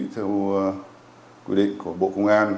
theo quy định của bộ công an